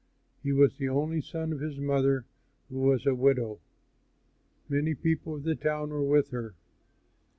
He was the only son of his mother who was a widow. Many people of the town were with her.